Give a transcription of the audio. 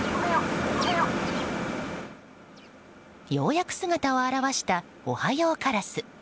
ようやく姿を現したおはようカラス。